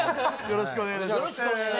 よろしくお願いします